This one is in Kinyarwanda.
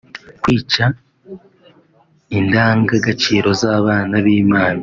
kwica indanga gaciro zábana b’Imana